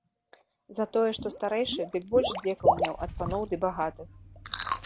Затое што старэйшы, дык больш здзекаў меў ад паноў ды багатых.